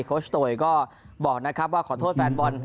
ชโตยก็บอกนะครับว่าขอโทษแฟนบอล